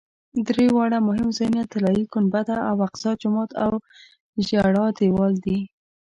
دا درې واړه مهم ځایونه طلایي ګنبده او اقصی جومات او ژړا دیوال دي.